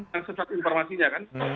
dan sesuatu informasinya kan